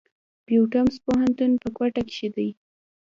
بيوټمز پوهنتون په کوټه کښي دی.